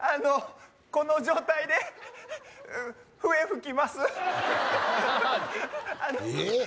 この状態で笛吹きますえっ？